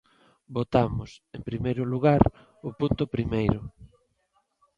Votamos, en primeiro lugar, o punto primeiro.